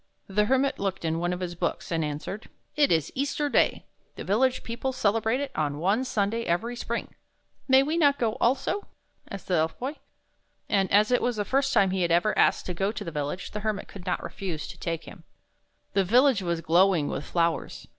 The Hermit looked in one of his books, and answered: "It is Easter Day. The village people celebrate it on one Sunday every spring." " May we not go also? " asked the Elf Boy, and 3 2 THE BOY WHO DISCOVERED THE SPRING as it was the first time he had ever asked to go to the village, the Hermit could not refuse to take him. The village was glowing with flowers.